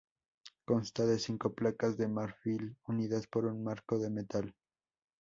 Consta de cinco placas de marfil unidas por un marco de metal.